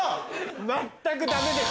全くダメです！